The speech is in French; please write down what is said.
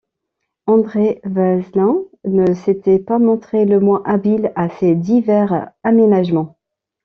André Vasling ne s’était pas montré le moins habile à ces divers aménagements.